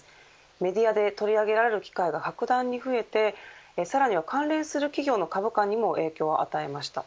メディアで取り上げられる機会が格段に増えてさらには関連する企業の株価にも影響を与えました。